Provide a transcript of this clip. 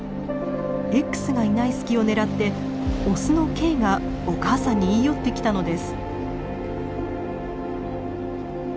Ｘがいない隙を狙ってオスのＫがお母さんに言い寄ってきたのです。